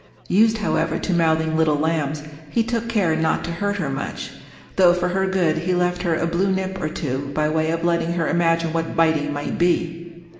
Used, however, to mouthing little lambs, he took care not to hurt her much, though for her good he left her a blue nip or two by way of letting her imagine what biting might be.